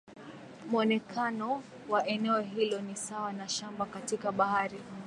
Muonekano wa eneo hilo ni sawa na shamba katika bahari